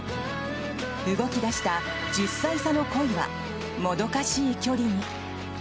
動き出した１０歳差の恋はもどかしい距離に。